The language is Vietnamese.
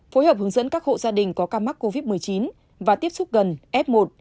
phối hợp hướng dẫn các hộ gia đình có ca mắc covid một mươi chín và tiếp xúc gần f một